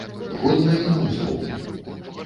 Годна і на ўзроўні.